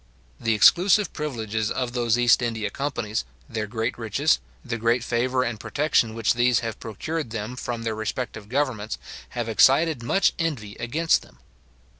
The exclusive privileges of those East India companies, their great riches, the great favour and protection which these have procured them from their respective governments, have excited much envy against them.